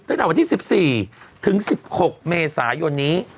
ตั้งแต่วันที่๑๔ถึง๑๖เมษายนนี้